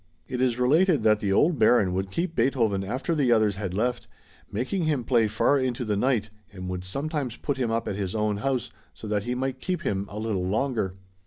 It is related that the old Baron would keep Beethoven after the others had left, making him play far into the night and would sometimes put him up at his own house so that he might keep him a little longer.